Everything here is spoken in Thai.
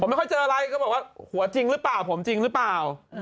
ไม่ค่อยเจออะไรก็บอกว่าหัวจริงหรือเปล่าผมจริงหรือเปล่า